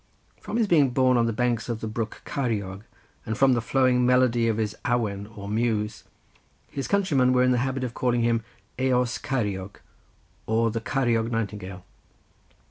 From his being born on the banks of the brook Ceiriog, and from the flowing melody of his awen or muse, his countrymen were in the habit of calling him Eos Ceiriog, or the Ceiriog Nightingale.